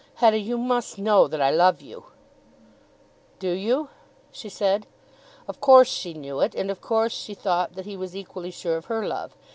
"Hetta, you must know that I love you." "Do you?" she said. Of course she knew it. And of course she thought that he was equally sure of her love.